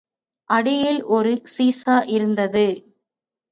அடியில் ஒரு சீசா இருந்தது.